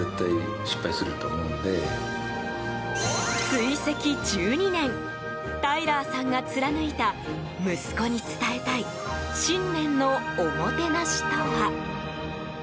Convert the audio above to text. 追跡１２年タイラーさんが貫いた息子に伝えたい信念のおもてなしとは。